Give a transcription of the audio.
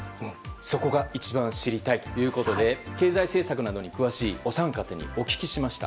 そこが一番知りたいということで経済政策などに詳しいお三方に聞きました。